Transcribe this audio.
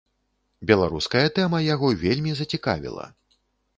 Беларуская тэма яго вельмі зацікавіла.